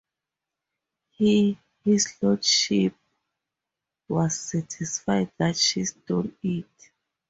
He (his lordship) was satisfied that she stole it.